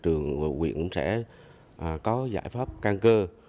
trường và huyện cũng sẽ có giải pháp can cơ